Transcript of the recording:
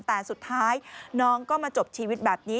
แต่สุดท้ายน้องก็มาจบชีวิตแบบนี้